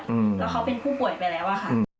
แล้วเขาเป็นผู้ป่วยไปแล้วอะค่ะ